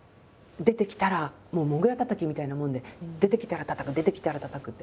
出てきたらもうもぐらたたきみたいなもんで出てきたらたたく出てきたらたたくって。